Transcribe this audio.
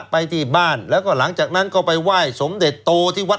ไปที่บ้านแล้วก็หลังจากนั้นก็ไปไหว้สมเด็จโตที่วัด